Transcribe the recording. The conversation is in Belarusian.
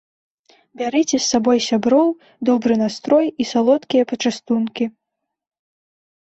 Бярыце з сабой сяброў, добры настрой і салодкія пачастункі!